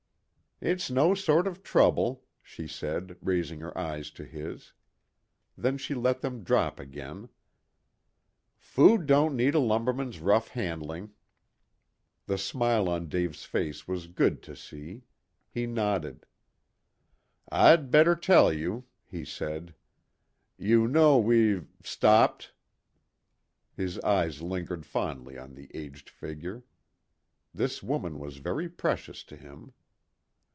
"It's no sort of trouble," she said, raising her eyes to his. Then she let them drop again. "Food don't need a lumberman's rough handling." The smile on Dave's face was good to see. He nodded. "I'd better tell you," he said. "You know, we've stopped?" His eyes lingered fondly on the aged figure. This woman was very precious to him.